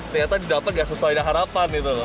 ternyata didapat nggak sesuai dengan harapan gitu loh